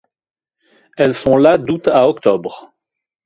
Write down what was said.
Elles sont là d'août à octobre.